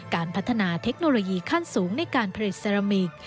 การพัฒนาเทคโนโลยีขั้นสูงในการผลิตเซรามิก